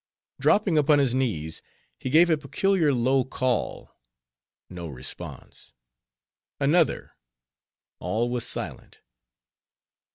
Dropping upon his knees, he gave a peculiar low call: no response. Another: all was silent.